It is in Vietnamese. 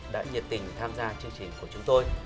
đã nhiệt tình tham gia chương trình của chúng tôi